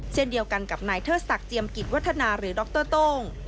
เช่นเดียวกันกับนายเทิดศักดิ์เจียมกิจวัฒนาหรือดรโต้ง